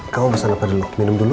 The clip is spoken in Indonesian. kamu pesan apa dulu minum dulu